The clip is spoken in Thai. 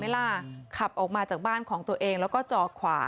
ระวังระวังมันถอยลงนะพี่